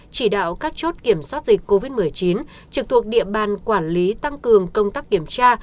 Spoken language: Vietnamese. chỉ đạo các chốt kiểm soát dịch covid một mươi chín trực thuộc địa bàn quản lý tăng cường công tác kiểm tra